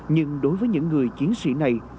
nhưng đối với những người chiến sĩ này